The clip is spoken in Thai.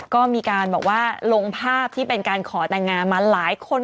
ก็มีการบอกว่าลงภาพที่เป็นการขอแต่งงานมาหลายคน